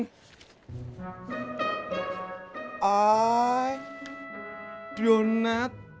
oi donat understand ih bukan idonat tapi